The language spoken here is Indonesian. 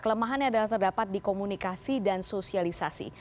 kelemahannya adalah terdapat di komunikasi dan sosialisasi